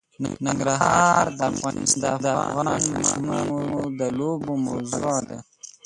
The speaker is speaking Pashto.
ننګرهار د افغان ماشومانو د لوبو موضوع ده.